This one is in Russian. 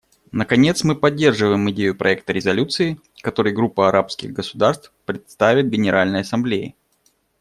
Наконец, мы поддерживаем идею проекта резолюции, который Группа арабских государств представит Генеральной Ассамблее.